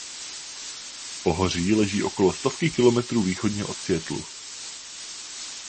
Pohoří leží okolo stovky kilometrů východně od Seattlu.